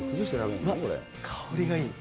香りがいい。